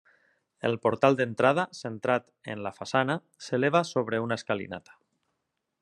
El portal d'entrada, centrat en la façana, s'eleva sobre una escalinata.